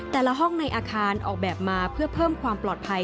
ห้องในอาคารออกแบบมาเพื่อเพิ่มความปลอดภัย